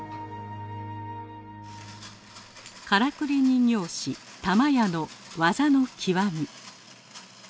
からくり人形師「玉屋」の技の極み。